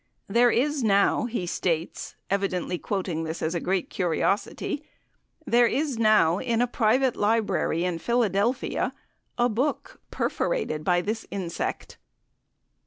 "There is now," he states, evidently quoting it as a great curiosity, "there is now, in a private library in Philadelphia, a book perforated by this insect."